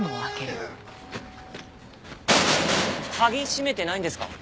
鍵閉めてないんですか？